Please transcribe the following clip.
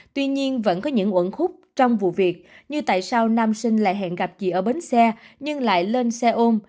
tuy nhiên vẫn có những uẩn khúc trong vụ việc như tại sao nam sinh lại hẹn gặp chị ở bến xe nhưng lại lên xe ôm